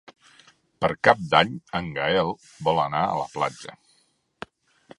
Per Cap d'Any en Gaël vol anar a la platja.